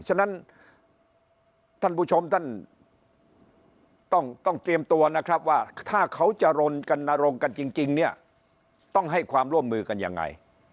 ฉะนั้นท่านผู้ชมท่านต้องเตรียมตัวนะครับว่าถ้าเขาจะรนกันนรงค์กันจริงเนี่ยต้องให้ความร่วมมือกันยังไง